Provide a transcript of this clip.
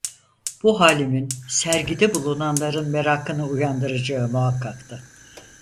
Bu halimin sergide bulunanların merakını uyandıracağı muhakkaktı.